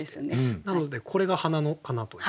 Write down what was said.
なのでこれが「花野」かなと。